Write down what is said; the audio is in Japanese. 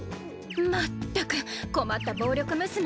まったく困った暴力娘ね。